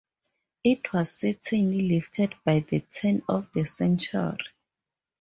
It was certainly lifted by the turn of the century.